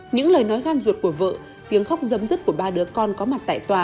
những lời nói gan ruột của vợ tiếng khóc dấm dứt của ba đứa con có mặt tại tòa